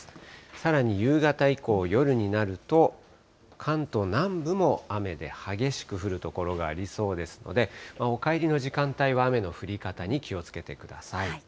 さらに夕方以降、夜になると、関東南部も雨で激しく降る所がありそうですので、お帰りの時間帯は雨の降り方に気をつけてください。